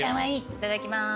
いただきます。